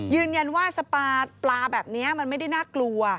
ยืนยันว่าสปาปลาแบบนี้มันไม่ได้น่ากลัว